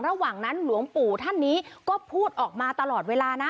ระหว่างนั้นหลวงปู่ท่านนี้ก็พูดออกมาตลอดเวลานะ